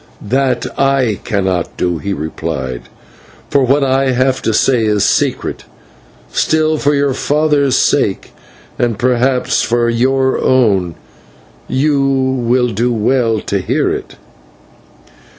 "That /I/ cannot do," he replied, "for what I have to say is secret. Still, for your father's sake, and perhaps for your own, you will do well to hear it."